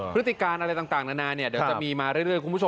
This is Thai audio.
พฤติการอะไรต่างนานาเนี้ยเดี๋ยวจะมีมาเรื่อย